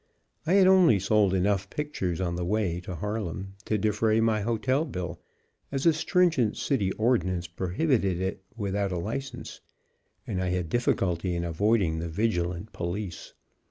I had only sold enough pictures on the way to Harlem to defray my hotel bill, as a stringent city ordinance prohibited it without a license, and I had difficulty in avoiding the vigilant police.